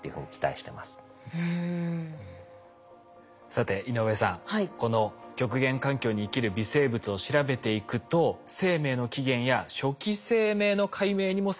さて井上さんこの極限環境に生きる微生物を調べていくと生命の起源や初期生命の解明にも迫っていけるというんですよ。